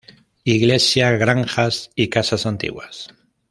Iglesia, granjas y casas antiguas.